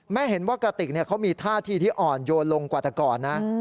เห็นว่ากระติกเขามีท่าทีที่อ่อนโยนลงกว่าแต่ก่อนนะ